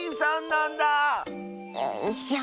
よいしょ。